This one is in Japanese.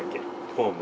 フォーム。